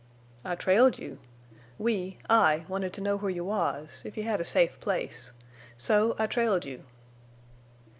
"I trailed you. We—I wanted to know where you was, if you had a safe place. So I trailed you."